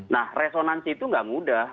nah resonansi itu nggak mudah